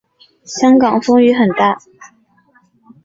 香港风雨很大